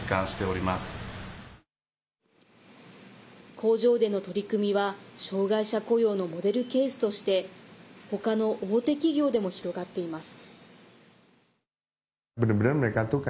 工場での取り組みは障害者雇用のモデルケースとして他の大手企業でも広がっています。